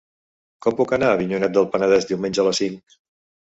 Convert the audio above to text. Com puc anar a Avinyonet del Penedès diumenge a les cinc?